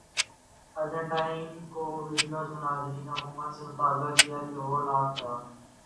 Argentine Covid مظاہرین نے حکومت سے مطالبہ کیا کہ وہ لاک ڈا